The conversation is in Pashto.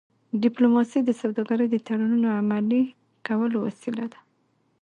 ډيپلوماسي د سوداګری د تړونونو عملي کولو وسیله ده.